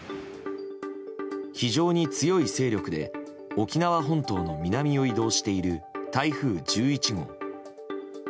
非常に強い勢力で沖縄本島の南を移動している台風１１号。